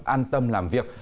an tâm làm việc